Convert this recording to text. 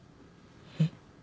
えっ？